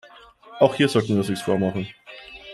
Auch hier sollten wir uns nichts vormachen.